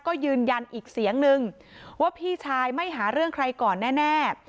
ก็ยืนยันอีกเสียงนึงว่าพี่ชายไม่หาเรื่องใครก่อนแน่